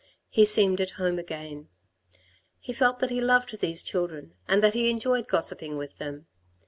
He seemed at home again. He felt that he loved these children and that he enjoyed gossiping with them.